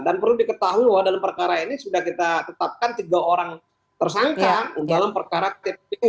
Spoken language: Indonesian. dan perlu diketahui dalam perkara ini sudah kita tetapkan tiga orang tersangka dalam perkara tpu